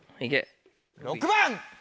６番！